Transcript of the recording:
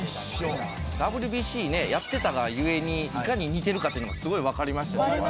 ＷＢＣやってたが故にいかに似てるかってすごい分かりましたよね。